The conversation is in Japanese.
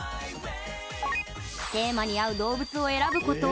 テーマに合う動物を選ぶこと